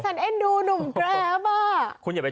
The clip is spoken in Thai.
นี่ฉันเอ็นดูหนุ่มแก๊ปอะ